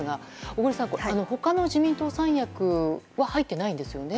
小栗さん、他の自民党三役は入っていないんですよね。